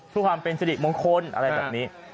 เพื่อความเป็นสิริมงคลอะไรแบบนี้